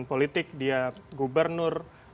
politik dia gubernur